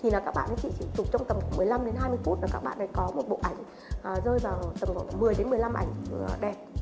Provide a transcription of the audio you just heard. là các bạn chị chỉ chụp trong tầm khoảng một mươi năm đến hai mươi phút và các bạn ấy có một bộ ảnh rơi vào tầm khoảng một mươi một mươi năm ảnh đẹp